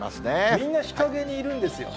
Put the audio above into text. みんな日陰にいるんですよね。